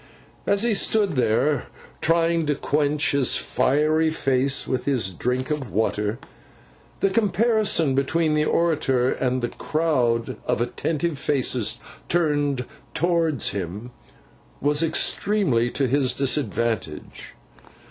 As he stood there, trying to quench his fiery face with his drink of water, the comparison between the orator and the crowd of attentive faces turned towards him, was extremely to his disadvantage.